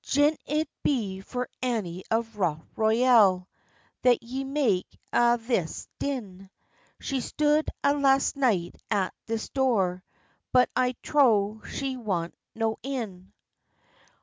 "Gin it be for Annie of Rough Royal That ye make a' this din, She stood a' last night at this door, But I trow she wan no in."